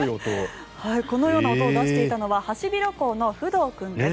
このような音を出していたのはハシビロコウのフドウ君です。